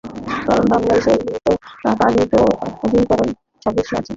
কারণ বাঙলার সহিত পালির অধিকতর সাদৃশ্য আছে।